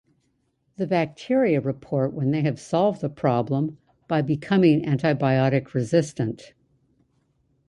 The bacteria report when they have solved the problem by becoming antibiotic resistant.